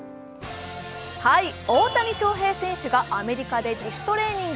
大谷翔平選手がアメリカで自主トレーニング。